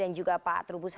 dan juga pak trubus harian